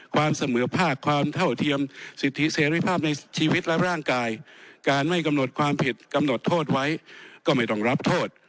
ความเสมอภาคความเท่าเทียมสิทธิเสรีภาพในชีวิตและร่างกายการไม่กำหนดความผิดกำหนดโทษไว้ก็ไม่ต้องรับโทษ